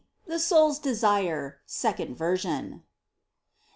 THE SOUL'S DESIRE. SECOND VERSION.